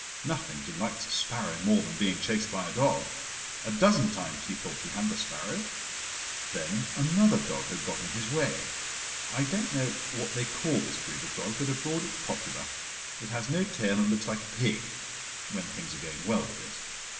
Nothing delights a sparrow more than being chased by a dog. A dozen times he thought he had the sparrow. Then another dog had got in his way. I don't know what they call this breed of dog, but abroad it is popular: it has no tail and looks like a pig—when things are going well with it.